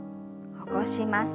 起こします。